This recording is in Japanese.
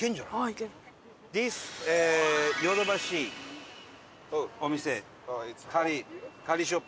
ディスヨドバシお店カリーショップ